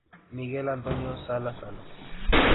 Miguel Antonio Salas Salas.